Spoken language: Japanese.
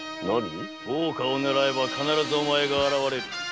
大岡をねらえば必ずお前が現れる。